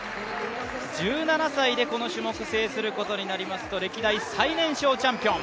１７歳でこの種目を制することになりますと歴代最年少チャンピオン。